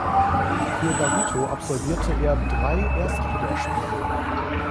Für Barito absolvierte er drei Erstligaspiele.